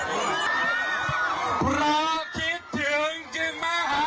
เพราะคิดถึงจึงมาหา